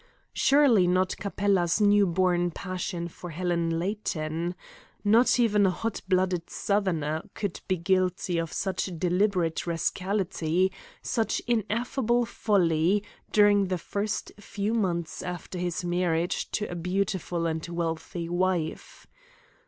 Surely not Capella's new born passion for Helen Layton. Not even a hot blooded Southerner could be guilty of such deliberate rascality, such ineffable folly, during the first few months after his marriage to a beautiful and wealthy wife.